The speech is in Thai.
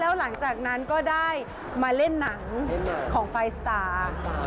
แล้วหลังจากนั้นก็ได้มาเล่นหนังของไฟล์สตาร์